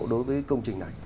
đối với công trình này